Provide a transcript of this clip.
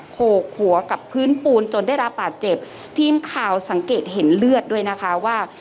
โขกหัวกับพื้นปูนจนได้รับบาดเจ็บทีมข่าวสังเกตเห็นเลือดด้วยนะคะว่า